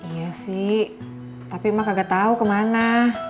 iya sih tapi mah kagak tahu kemana